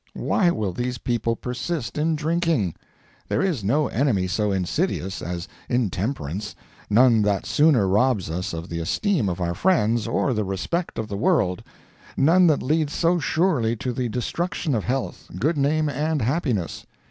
Why will these people persist in drinking? There is no enemy so insidious as intemperance—none that sooner robs us of the esteem of our friends or the respect of the world—none that leads so surely to the destruction of health, good name, and happiness.